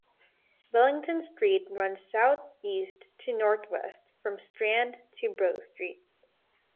Wellington Street runs south east to north west from Strand to Bow Street.